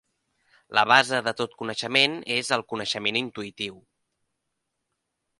La base de tot coneixement és el coneixement intuïtiu.